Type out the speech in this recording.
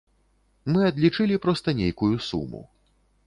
Мы адлічылі проста нейкую суму.